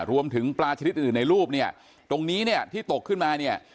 รวมถึงปลาชนิดอื่นในรูปเนี่ยตรงนี้เนี่ยที่ตกขึ้นมาเนี่ย